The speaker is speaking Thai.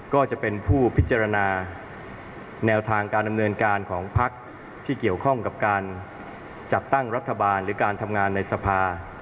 ก็จะเป็นผู้พิจารณาแนวทางการดำเนินการของพักที่เกี่ยวข้องกับการจัดตั้งรัฐบาลหรือการทำงานในสภา